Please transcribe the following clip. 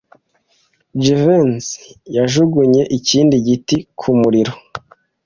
Jivency yajugunye ikindi giti ku muriro.